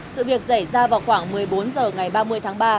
sự việc xảy ra vào khoảng một mươi bốn h ngày ba mươi tháng ba